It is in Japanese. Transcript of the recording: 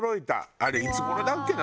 あれいつ頃だっけな？